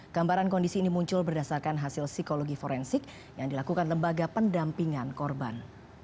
gambaran kondisi ini muncul berdasarkan hasil psikologi forensik yang dilakukan lembaga pendampingan korban